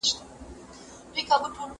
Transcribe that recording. چي یې ګډ وي اخترونه چي شریک یې وي جشنونه